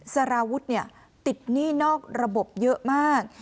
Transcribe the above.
สารวุฒิติดหนี้นอกระบบเยอะมาก